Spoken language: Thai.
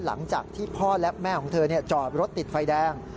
หลังจากที่พ่อและแม่ของเธอจอดรถติดไฟแดง